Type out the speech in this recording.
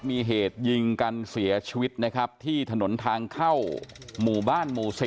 มีเหตุยิงกันเสียชีวิตนะครับที่ถนนทางเข้าหมู่บ้านหมู่๑๐